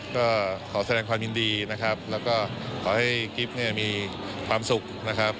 ก็ขอแสดงความยินดีนะครับแล้วก็ขอให้กิ๊บเนี่ยมีความสุขนะครับ